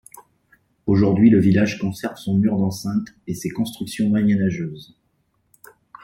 Aujourd'hui, le village conserve son mur d'enceinte et ses constructions moyenâgeuses.